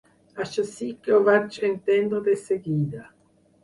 Això sí que ho vaig entendre de seguida.